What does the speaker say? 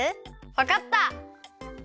わかった！